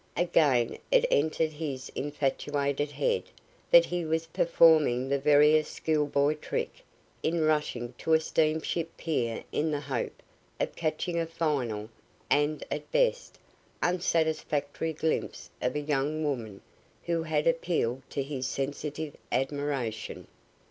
Again it entered his infatuated head that he was performing the veriest schoolboy trick in rushing to a steamship pier in the hope of catching a final, and at best, unsatisfactory glimpse of a young woman who had appealed to his sensitive admiration.